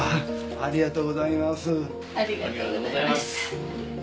ありがとうございます。